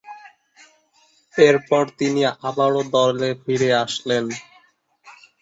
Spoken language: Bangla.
এরপর তিনি আবারও দলে ফিরে আসেন।